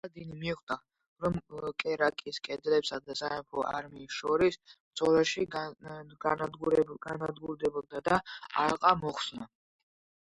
სალადინი მიხვდა, რომ კერაკის კედლებსა და სამეფო არმიას შორის ბრძოლაში განადგურდებოდა და ალყა მოხსნა.